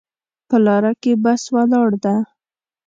په لاره کې بس ولاړ ده